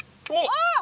あっ！